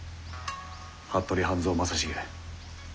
服部半蔵正成。